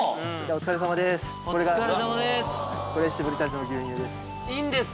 お疲れさまです。